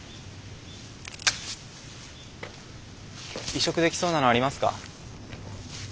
移植できそうなのありますか？